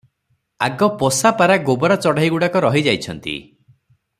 ଆଗ ପୋଷା ପାରା ଗୋବରା ଚଢେଇ- ଗୁଡାକ ରହି ଯାଇଛନ୍ତି ।